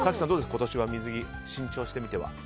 今年は水着を新調してみては？